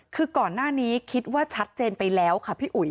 คือก่อนหน้านี้คิดว่าชัดเจนไปแล้วค่ะพี่อุ๋ย